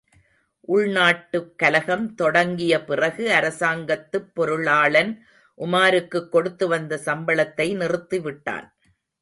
உள்நாட்டுக் கலகம் தொடங்கிய பிறகு, அரசாங்கத்துப் பொருளாளன் உமாருக்குக் கொடுத்து வந்த சம்பளத்தை நிறுத்திவிட்டான்.